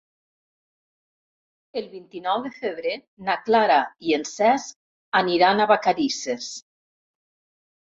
El vint-i-nou de febrer na Clara i en Cesc aniran a Vacarisses.